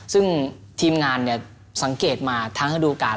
ซึ่งทีมงานเนี่ยสังเกตมาทั้งอดูกาล